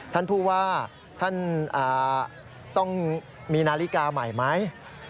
ท่านผู้ว่าท่านต้องมีนาฬิกาใหม่ไหม